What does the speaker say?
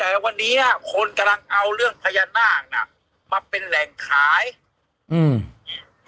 แต่วันนี้คนกำลังเอาเรื่องพญานาคน่ะมาเป็นแหล่งขายอืม